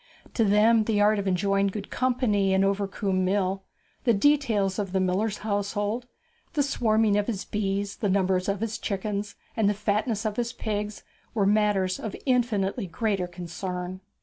To them the art of enjoying good company in Overcombe Mill, the details of the miller's household, the swarming of his bees, the number of his chickens, and the fatness of his pigs, were matters of infinitely greater concern.